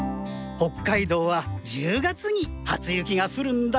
北海道は１０月に初雪が降るんだ。